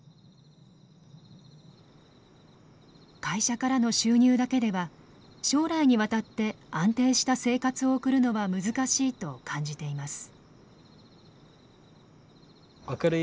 会社からの収入だけでは将来にわたって安定した生活を送るのは難しいと感じています。